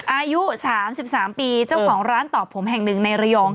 อายุ๓๓ปีเจ้าของร้านตอบผมแห่งหนึ่งในระยอง